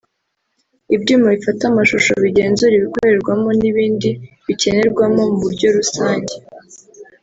ibyuma bifata amashusho bigenzura ibikorerwamo n’ibindi bikenerwamo mu buryo rusange